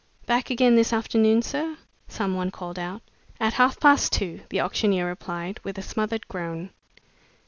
"Back again this afternoon, sir?" some one called out. "At half past two," the auctioneer replied, with a smothered groan.